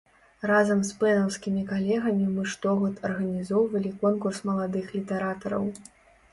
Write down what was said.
Разам з пэнаўскімі калегамі мы штогод арганізоўвалі конкурс маладых літаратараў.